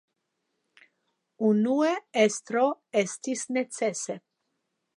Unue estro, estis necese.